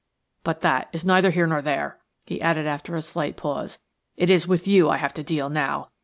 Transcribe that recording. But that is neither here nor there," he added after a slight pause. "It is with you I have to deal now.